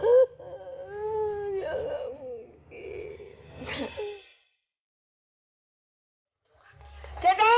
gue tau kalau lo masih ada di dalam